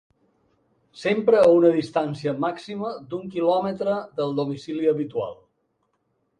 Sempre a una distància màxima d’un quilòmetre del domicili habitual.